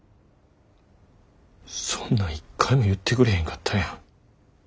そんなん一回も言ってくれへんかったやん。